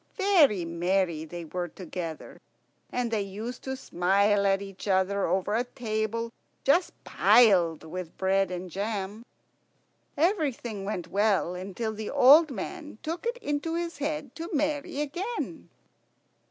Very merry they were together, and they used to smile at each other over a table just piled with bread and jam. Everything went well, until the old man took it into his head to marry again.